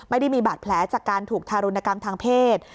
ไม่ได้มีบาดแผลจากการถูกทารุณกรรมทางเพศ